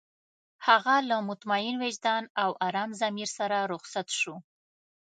هغه له مطمئن وجدان او ارام ضمير سره رخصت شو.